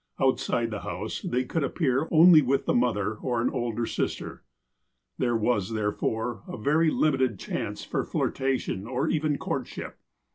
Outside the house they could appear only with the mother or an older sister. There was, therefore, a very limited chance for flirta tion, or even courtship.